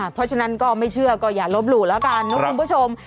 เพราะฉะนั้นก็ไม่เชื่อก็อย่าลบหลู่แล้วกันนะคุณผู้ชม